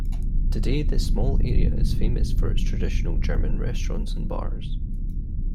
Today the small area is famous for its traditional German restaurants and bars.